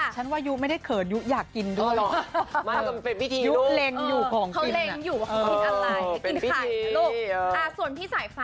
ฉันว่ายูไม่เผ็ดยุ่อยากกินด้วย